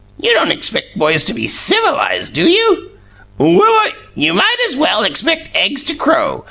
You don't expect boys to be civilized, do you?" "Well, I " "You might as well expect eggs to crow.